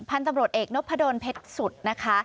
พันธุ์ตำรวจเอกนพดลเพชรสุดนะคะ